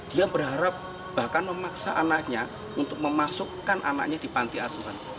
dia berharap bahkan memaksa anaknya untuk memasukkan anaknya di panti asuhan